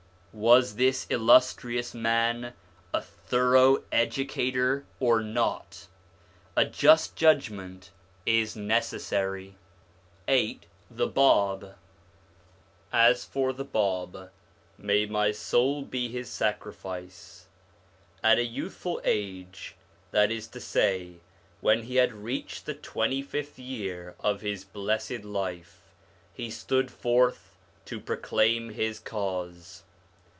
Was this illustrious man a thorough educator or not ? A just judgment is necessary. i Galileo. VIII THE BAB As for the Bab, 1 may my soul be his sacrifice ! at a youthful age, that is to say when he had reached the twenty fifth year of his blessed life, he stood forth to proclaim his Cause.